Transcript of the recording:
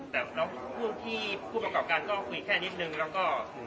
แต่น้องผู้ที่ผู้ประกอบการก็คุยแค่นิดนึงแล้วก็